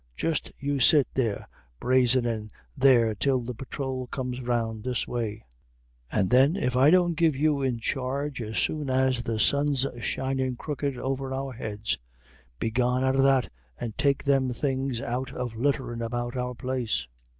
Just you sit brazenin' there till the patrol comes round this way, and then if I don't give you in charge as sure as the sun's shinin' crooked over our heads. Begone out of that, and take them things out of litterin' about our place."